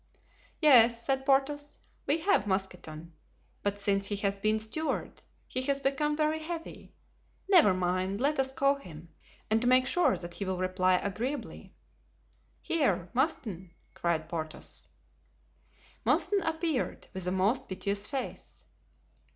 "Yes," said Porthos, "we have Mousqueton, but since he has been steward, he has become very heavy; never mind, let us call him, and to make sure that he will reply agreeably—— "Here! Mouston," cried Porthos. Mouston appeared, with a most piteous face.